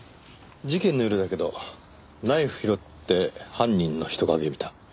事件の夜だけどナイフ拾って犯人の人影を見た。